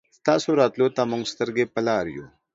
ستاسو راتلو ته مونږ سترګې په لار يو